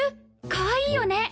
かわいいよね。